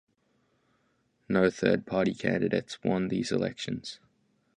No third party candidates won these elections.